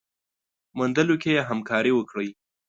موندلو کي يې همکاري وکړئ